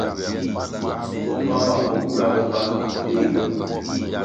Bo mbpambpang bo bura bo ba beh Yewunde.